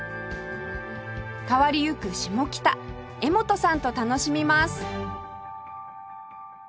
変わりゆく下北柄本さんと楽しみます